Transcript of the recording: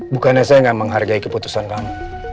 bukannya saya gak menghargai keputusan kamu